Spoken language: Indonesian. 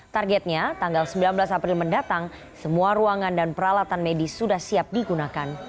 targetnya tanggal sembilan belas april mendatang semua ruangan dan peralatan medis sudah siap digunakan